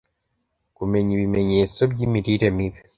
kumenya ibimenyetso by'imirire mibi